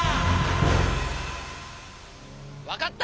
わかった！